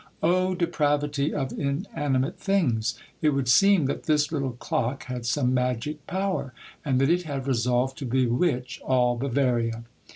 Oh, depravity of inanimate things ! It would seem that this little clock had some magic power, and that it had resolved to bewitch all Bavaria.